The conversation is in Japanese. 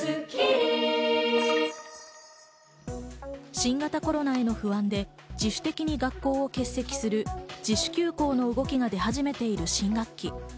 新型コロナへの不安で自主的に学校を欠席する自主休校の動きが出始めている新学期。